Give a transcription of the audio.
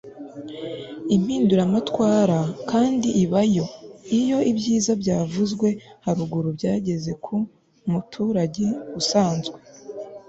impinduramatwara kandi iba yo iyo ibyiza byavuzwe haruguru byageze ku muturage usanzwe